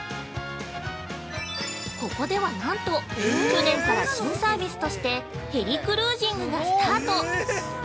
ここでは、なんと去年から新サービスとしてヘリクルージングがスタート。